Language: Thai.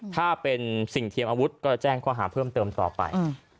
ถ้าเป็นสิ่งเทียมอาวุธก็จะแจ้งข้อหาเพิ่มเติมต่อไป